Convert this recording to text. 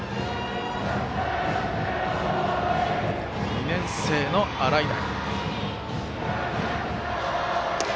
２年生の洗平。